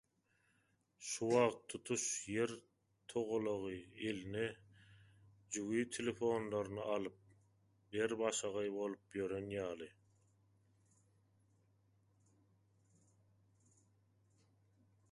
Şu wagt tutuş ýer togalagy eline jübi telefonlaryny alyp ber-başagaý bolup ýören ýaly.